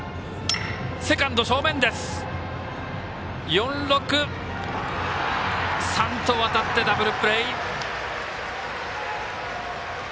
４−６−３と渡ってダブルプレー。